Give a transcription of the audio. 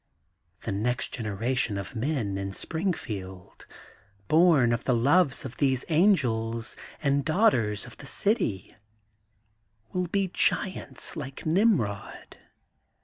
The next generation of men in Springfield, born of the loves of these angels and daughters of the city, will be giants like Nimrod.